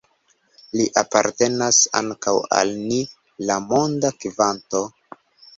Li apartenas ankaŭ al ni, la monda kvanto.